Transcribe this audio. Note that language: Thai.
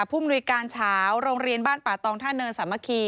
มนุยการเฉาโรงเรียนบ้านป่าตองท่าเนินสามัคคี